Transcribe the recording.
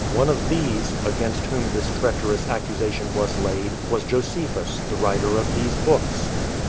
One of these, against whom this treacherous accusation was laid, was Josephus, the writer of these books.